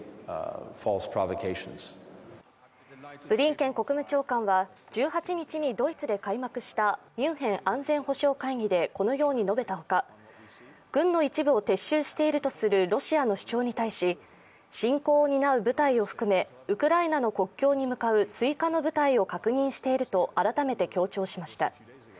ブリンケン国務長官は１８日にドイツで開幕したミュンヘン安全保障会議でこのように述べた他軍の一部を撤収しているとするロシアの主張に対し侵攻を担う部隊を含め、ウクライナの国境に向かう追加の部隊を確認していると改めて強調しました。